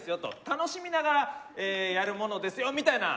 楽しみながらやるものですよみたいな。